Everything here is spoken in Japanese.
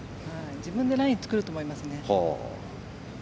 自分でライン作ると思いますね。